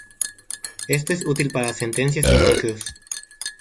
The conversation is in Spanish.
Esto es útil para sentencias y macros.